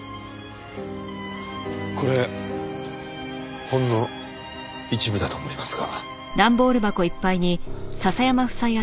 これほんの一部だと思いますが。